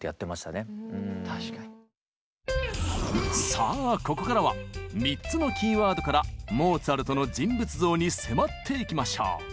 さあここからは３つのキーワードからモーツァルトの人物像に迫っていきましょう！